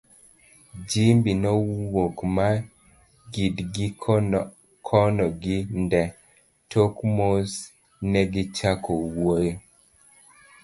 Jimbi nowuok ma gidgi kono gi Ndee, tok mos negichako wuoyo….